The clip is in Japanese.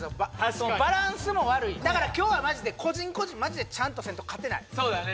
確かにバランスも悪いだから今日はマジで個人個人マジでちゃんとせんと勝てないそうだね